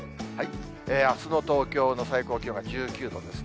あすの東京の最高気温が１９度ですね。